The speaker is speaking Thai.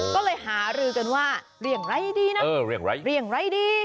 ก็เลยหารือกันว่าเรื่องไร้ดีนะเรื่องไร้ดี